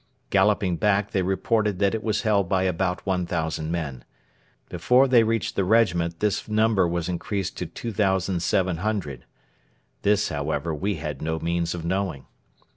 Galloping back, they reported that it was held by about 1,000 men. Before they reached the regiment this number was increased to 2,700. This, however, we had no means of knowing.